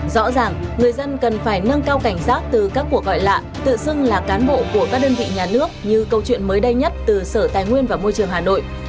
rõ ràng người dân cần phải nâng cao cảnh giác từ các cuộc gọi lạ tự xưng là cán bộ của các đơn vị nhà nước như câu chuyện mới đây nhất từ sở tài nguyên và môi trường hà nội